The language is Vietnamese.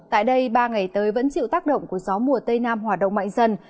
tại đây ba ngày tới vẫn chịu tác động của gió mùa tây nam hoạt động mạnh dần